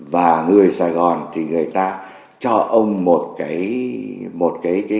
và người sài gòn thì người ta cho ông một cái